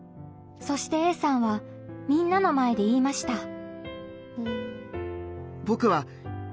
そしてＡさんはみんなの前で言いました。